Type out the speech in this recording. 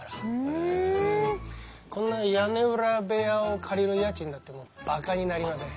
こんな屋根裏部屋を借りる家賃なんてばかになりません。